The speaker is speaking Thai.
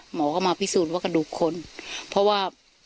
หมอก็มาพิสูจน์ว่ากระดูกคนเพราะว่า